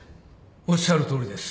おっしゃるとおりです。